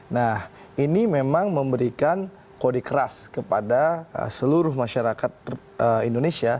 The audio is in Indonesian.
nah ini memang memberikan kode keras kepada seluruh masyarakat indonesia